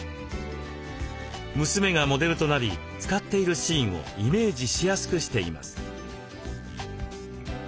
娘がモデルとなり使っているシーンをイメージしやすくしています。